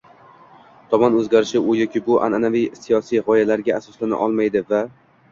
tomon o‘zgarishi, u yoki bu an’anaviy siyosiy g‘oyalarga asoslana olmaydi va